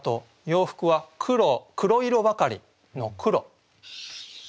「洋服は黒色ばかり」の「黒」。